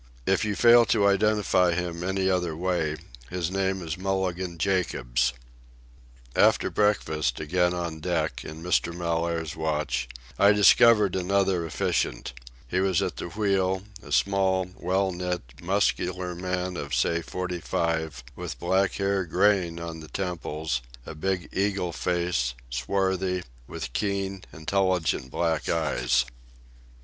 If you fail to identify him any other way, his name is Mulligan Jacobs." After breakfast, again on deck, in Mr. Mellaire's watch, I discovered another efficient. He was at the wheel, a small, well knit, muscular man of say forty five, with black hair graying on the temples, a big eagle face, swarthy, with keen, intelligent black eyes.